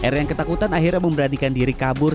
r yang ketakutan akhirnya memberanikan diri kabur